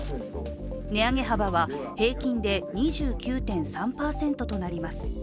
値上げ幅は平均で２９．３％となります。